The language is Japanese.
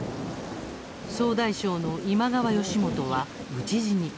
総大将の今川義元は、討ち死に。